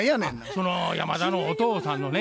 その山田のお父さんのね